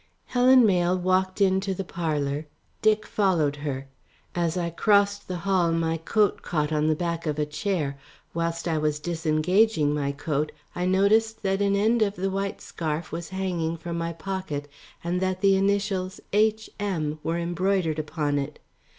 Helen Mayle walked into the parlour, Dick followed her. As I crossed the hall my coat caught on the back of a chair. Whilst I was disengaging my coat, I noticed that an end of the white scarf was hanging from my pocket and that the initials "H. M." were embroidered upon it.